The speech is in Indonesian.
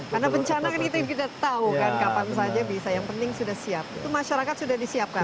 karena bencana kan kita tidak tahu kan kapan saja bisa yang penting sudah siap itu masyarakat sudah disiapkan